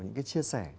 những cái chia sẻ